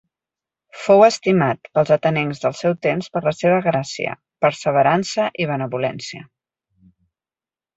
Fou estimat pels atenencs del seu temps per la seva gràcia, perseverança i benevolència.